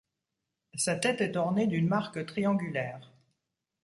Sa tête est ornée d'une marque triangulaire.